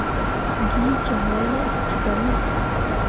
Gee joŋra yeb gah me.